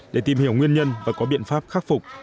để tìm hiểu nguyên nhân và có biện pháp khắc phục